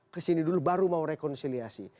kesini dulu baru mau rekonsiliasi